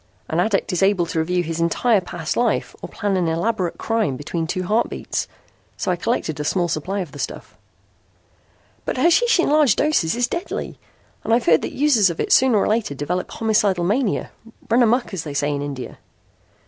An addict is able to review his entire past life or plan an elaborate crime between two heartbeats. So I collected a small supply of the stuff." "But hashish in large doses is deadly, and I've heard that users of it sooner or later develop homicidal mania run amuck as they say in India."